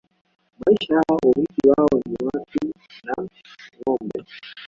Maisha yao urithi wao ni watu na ngombe